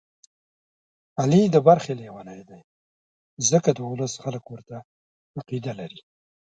علي د برخې لېونی دی، ځکه د ولس خلک ورته عقیده لري.